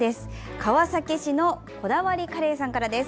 川崎市のこだわりカレーさんからです。